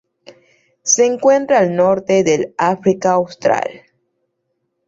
Se encuentra al norte del África Austral.